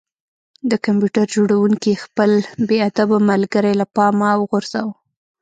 د کمپیوټر جوړونکي خپل بې ادبه ملګری له پامه وغورځاوه